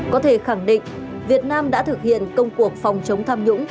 có thể khẳng định việt nam đã thực hiện công cuộc phòng chống tham nhũng